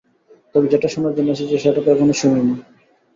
তবে যেটা শুনার জন্য এসেছি, সেটা তো এখনও শুনিনি।